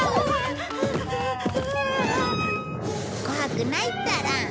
怖くないったら。